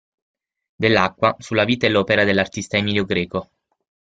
Dell'Acqua, sulla vita e l'opera dell'artista Emilio Greco.